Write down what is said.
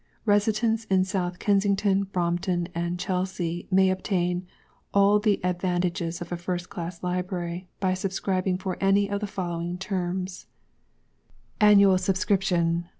Residents in South Kensington, Brompton, and Chelsea, may obtain all the advantages of a First Class Library, by subscribing for any of the following Terms:ŌĆö 1 Vol.